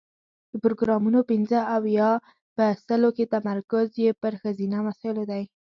د پروګرامونو پنځه اویا په سلو کې تمرکز یې پر ښځینه مسایلو دی.